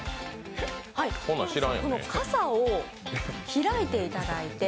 この傘を開いていただいて。